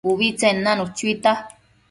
ubitsen nanu chuita